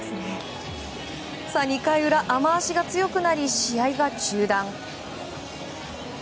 さあ、２回裏雨脚が強くなり試合が中断。